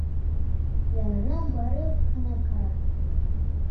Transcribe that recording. Янына барып ҡына ҡара.